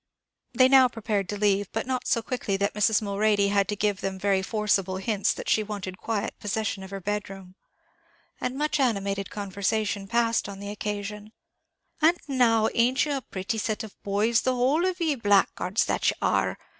They now prepared to leave; but not so quickly but that Mrs. Mulready had to give them very forcible hints that she wanted quiet possession of her bed room; and much animated conversation passed on the occasion. "And now, an't ye a pretty set of boys, the whole of ye, blackguards that ye are!